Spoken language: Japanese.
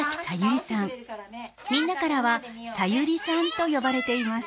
みんなからは「さゆりさん」と呼ばれています。